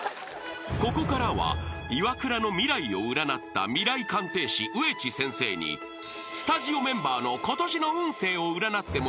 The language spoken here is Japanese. ［ここからはイワクラの未来を占った未来鑑定士上地先生にスタジオメンバーの］